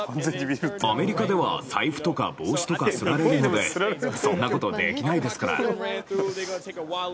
アメリカでは財布とか帽子とかすられるので、そんなことできないですから。